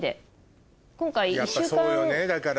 やっぱそうよねだから。